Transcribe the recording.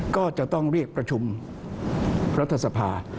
ก็จะต้องเรียกประชุมรัฐสภา